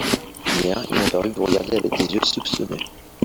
Hier, il m'a paru vous regarder avec des yeux soupçonneux.